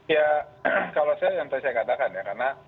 ya kalau saya yang tadi saya katakan ya